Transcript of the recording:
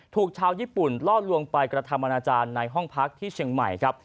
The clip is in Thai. ถูกชาวญี่ปุ่นล่อลวงไปกระทำอนาจารย์ในห้องพักที่เชียงใหม่ครับ